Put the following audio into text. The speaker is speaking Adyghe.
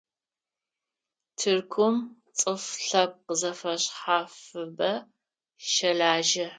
Тыркум цӀыф лъэпкъ зэфэшъхьафыбэ щэлажьэ.